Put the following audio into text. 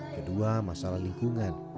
kedua masalah lingkungan